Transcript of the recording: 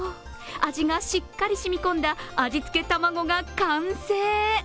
味がしっかり染み込んだ味付け卵が完成。